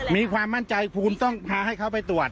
มีความมั่นใจคุณต้องพาให้เขาไปตรวจ